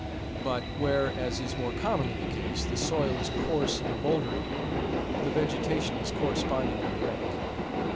But where, as is more commonly the case, the soil is coarse and bouldery, the vegetation is correspondingly rank.